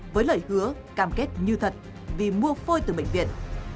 với lời hứa cam kết như thật vì mua phôi từ bệnh viện